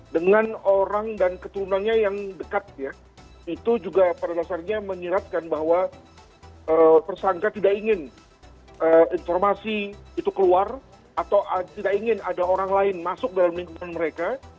dengan orang dan keturunannya yang dekat ya itu juga pada dasarnya menyiratkan bahwa tersangka tidak ingin informasi itu keluar atau tidak ingin ada orang lain masuk dalam lingkungan mereka